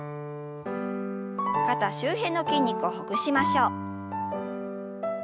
肩周辺の筋肉をほぐしましょう。